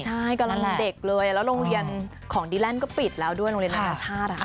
ใช่กำลังเด็กเลยแล้วโรงเรียนของดีแลนด์ก็ปิดแล้วด้วยโรงเรียนนานาชาติ